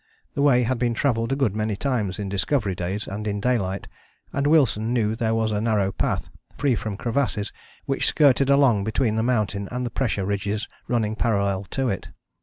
The way had been travelled a good many times in Discovery days and in daylight, and Wilson knew there was a narrow path, free from crevasses, which skirted along between the mountain and the pressure ridges running parallel to it.